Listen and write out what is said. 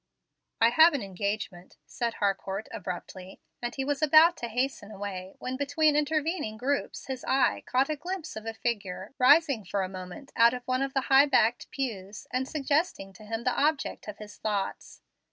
"I have an engagement," said Harcourt, abruptly; and he was about to hasten away, when between intervening groups his eye caught a glimpse of a figure rising for a moment out of one of the high backed pews, and suggesting to him the object of his thoughts.